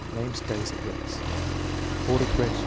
Names days of week. (Order correct.